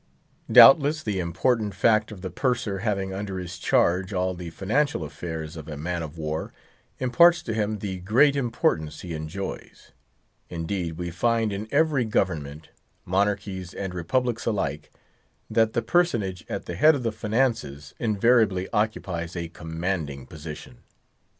Doubtless the important fact of the Purser having under his charge all the financial affairs of a man of war, imparts to him the great importance he enjoys. Indeed, we find in every government—monarchies and republics alike—that the personage at the head of the finances invariably occupies a commanding position.